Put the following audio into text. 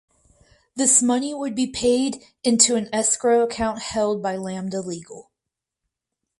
This money would be paid into an escrow account held by Lambda Legal.